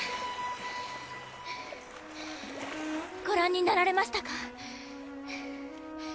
ご覧になられましたか？